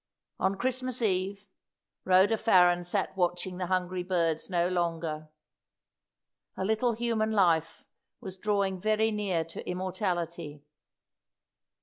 On Christmas Eve, Rhoda Farren sat watching the hungry birds no longer. A little human life was drawing very near to immortality.